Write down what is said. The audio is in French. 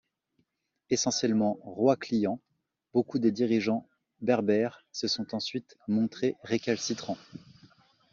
Essentiellement roi-clients, beaucoup des dirigeants berbères se sont ensuite montrés récalcitrants.